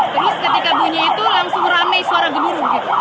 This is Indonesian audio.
terus ketika bunyi itu langsung rame suara gedung gitu